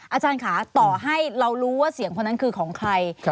อาจารย์ค่ะต่อให้เรารู้ว่าเสียงคนนั้นคือของใคร